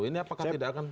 ini apakah tidak akan